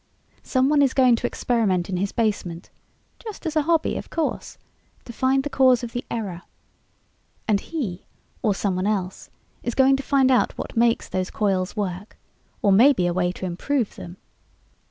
Someone is going to experiment in his basement just as a hobby of course to find the cause of the error. And he or someone else is going to find out what makes those coils work, or maybe a way to improve them!"